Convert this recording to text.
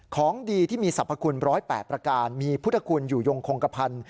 ของดีที่มีสรรพคุณ๑๐๘ประการมีพุทธคุณอยู่ยงคงกระพันธ์